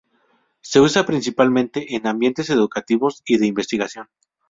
Se usa principalmente en ambientes educativos y de investigación.